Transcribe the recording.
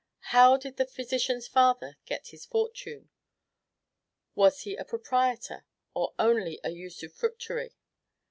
how did the physician's father get his fortune? was he a proprietor, or only a usufructuary?